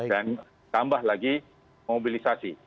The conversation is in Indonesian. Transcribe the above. dan tambah lagi mobilisasi